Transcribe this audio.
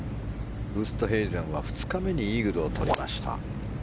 ウーストヘイゼンは２日目にイーグルを取りました。